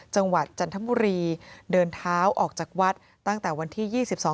จังหวัดจันทบุรีเดินเท้าออกจากวัดตั้งแต่วันที่๒๒ตุลาคม